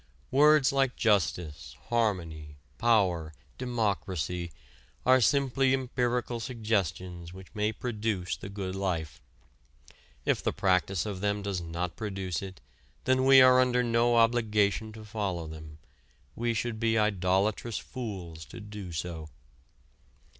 Words like justice, harmony, power, democracy are simply empirical suggestions which may produce the good life. If the practice of them does not produce it then we are under no obligation to follow them, we should be idolatrous fools to do so.